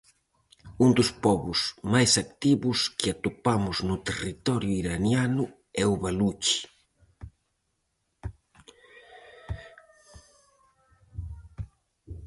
Un dos pobos máis activos que atopamos no territorio iraniano é o baluchi.